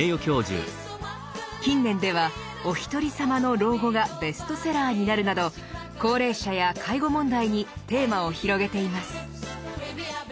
近年では「おひとりさまの老後」がベストセラーになるなど高齢者や介護問題にテーマを広げています。